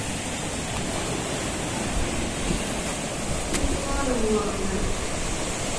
金気のものはあぶない